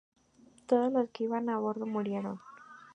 Todos los que iban a bordo murieron.